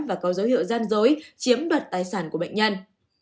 và có dấu hiệu gian dối chiếm đoạt tài sản của bệnh nhân